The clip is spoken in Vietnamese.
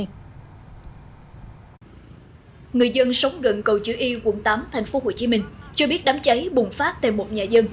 người dân sống gần cầu chữ y quận tám tp hcm cho biết đám cháy bùng phát tại một nhà dân